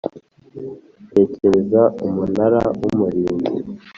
atekereza Umunara w Umurinzi